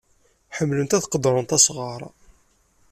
Ḥemmlent ad qeddren asɣar.